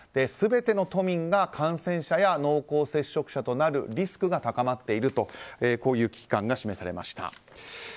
全ての都民が感染者や濃厚接触者となるリスクが高まっているこういう危機感が示されました。